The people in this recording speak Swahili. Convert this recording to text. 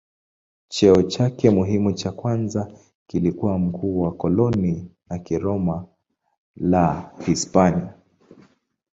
Cheo chake muhimu cha kwanza kilikuwa mkuu wa koloni la Kiroma la Hispania.